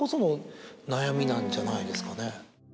なんじゃないですかね？